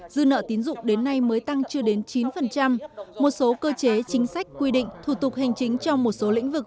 dư nợ tín dụng đến nay mới tăng chưa đến chín một số cơ chế chính sách quy định thủ tục hành chính trong một số lĩnh vực